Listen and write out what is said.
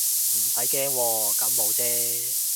唔使驚喎，感冒啫